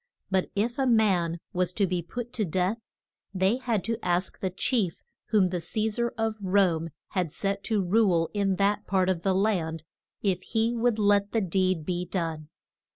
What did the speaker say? But if a man was to be put to death they had to ask the chief whom the Ce sar of Rome had set to rule in that part of the land if he would let the deed be done.